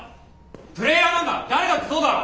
プレーヤーなんだ誰だってそうだろ！